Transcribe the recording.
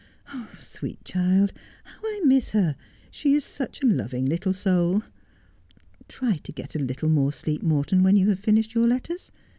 ' Sweet child ! How I miss her ! She is such a loving little soul. Try to get a little more sleep, Morton, when you have finished your letters.